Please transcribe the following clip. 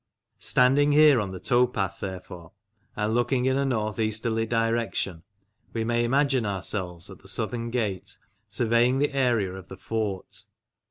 Standing here on the towpath, therefore, and looking in a north easterly direction, we may imagine ourselves at the southern gate surveying the area of the fort.